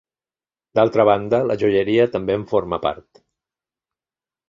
D'altra banda, la joieria també en forma part.